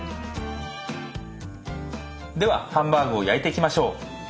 ではハンバーグを焼いていきましょう。